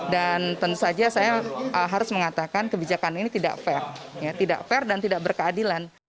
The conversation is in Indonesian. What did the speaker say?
dan tentu saja saya harus mengatakan kebijakan ini tidak fair tidak fair dan tidak berkeadilan